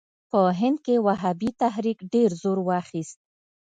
په هند کې وهابي تحریک ډېر زور واخیست.